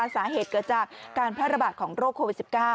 สาเหตุเกิดจากการแพร่ระบาดของโรคโควิด๑๙